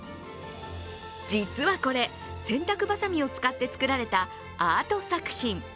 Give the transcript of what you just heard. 実はこれ、洗濯ばさみを使って作られたアート作品。